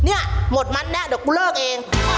เนี่ยหมดมัดแน่เดี๋ยวกูเลิกเอง